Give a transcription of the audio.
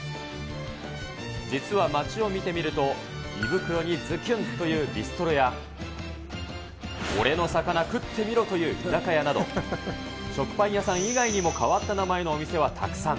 実は街を見てみると、胃袋にズキュンというビストロや、俺の魚を食ってみろ！という居酒屋など、食パン屋さん以外にも変わった名前のお店はたくさん。